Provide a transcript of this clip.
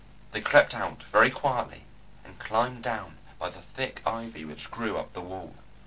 They crept out very quietly and climbed down by the thick ivy which grew up the wall.